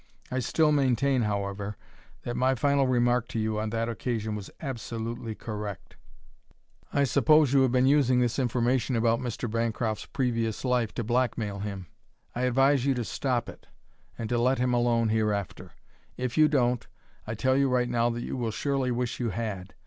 I still maintain, however, that my final remark to you on that occasion was absolutely correct. "I suppose you have been using this information about Mr. Bancroft's previous life to blackmail him. I advise you to stop it and to let him alone hereafter. If you don't, I tell you right now that you will surely wish you had.